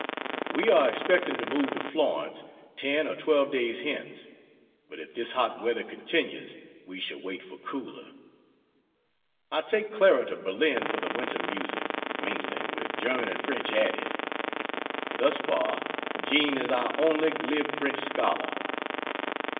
We are expecting to move to Florence ten or twelve days hence, but if this hot weather continues we shall wait for cooler. I take Clara to Berlin for the winter music, mainly, with German and French added. Thus far, Jean is our only glib French scholar.